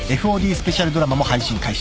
スペシャルドラマも配信開始］